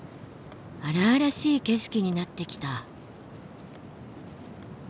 荒々しい景色になってきた。